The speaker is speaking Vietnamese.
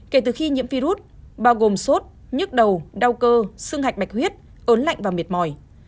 kể từ khi nhiễm virus bao gồm sốt nhức đầu đau cơ xương hạch bạch huyết ớn lạnh và miệt mỏi